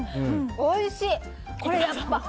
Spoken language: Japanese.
おいしい！